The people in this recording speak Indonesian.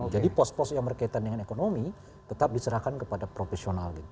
jadi pos pos yang berkaitan dengan ekonomi tetap diserahkan kepada profesional